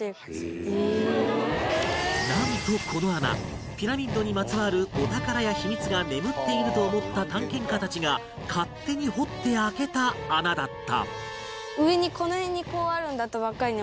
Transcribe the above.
なんとこの穴ピラミッドにまつわるお宝や秘密が眠っていると思った探検家たちが勝手に掘って開けた穴だった